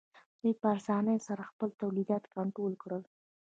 دوی په اسانۍ سره خپل تولیدات کنټرول کړل